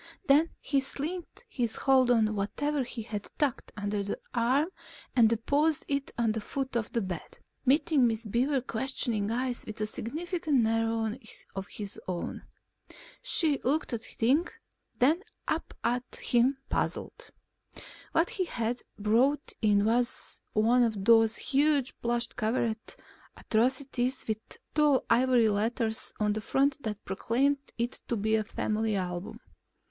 Then he slackened his hold on whatever he had tucked under one arm and deposited it at the foot of the bed, meeting Miss Beaver's questioning eyes with a significant narrowing of his own. She looked at the thing, then up at him, puzzled. What he had brought in was one of those huge, plush covered atrocities with tall ivory letters on the front that proclaimed it to be a Family Album.